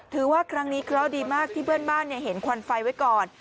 ถือว่าครั้งนี้เคราะห์ดีมากที่เพื่อนบ้านเห็นควันไฟไว้ก่อน